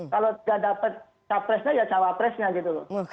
kalau tidak dapat cak imin ya cak wapresnya gitu loh